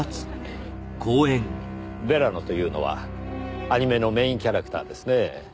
ヴェラノというのはアニメのメーンキャラクターですねぇ。